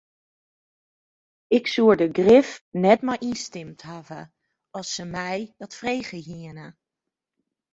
Ik soe der grif net mei ynstimd hawwe as se my dat frege hiene.